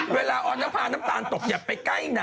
เวลาอ่อนมาพาน้ำตาลตกอย่าไปใกล้นาน